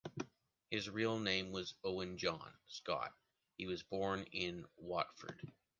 His real name was Owen john Scott, he was born in Watford.